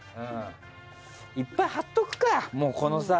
いっぱい貼っとくか、この際。